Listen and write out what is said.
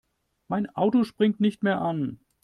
Mein Auto springt nicht mehr an.